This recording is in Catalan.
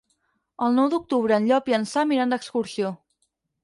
El nou d'octubre en Llop i en Sam iran d'excursió.